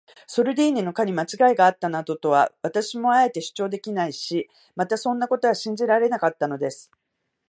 ソルディーニの課にまちがいがあったなどとは、私もあえて主張できないし、またそんなことは信じられなかったのです。